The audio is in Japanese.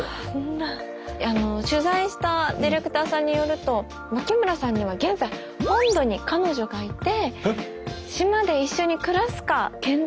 取材したディレクターさんによると脇村さんには現在本土に彼女がいて島で一緒に暮らすか検討しているとのことです。